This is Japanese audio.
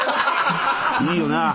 いいよな。